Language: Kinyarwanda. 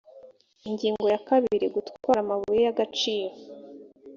ingingo ya kabiri gutwara amabuye y agaciro